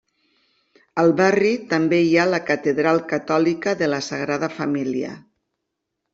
Al barri també hi ha la Catedral catòlica de la Sagrada Família.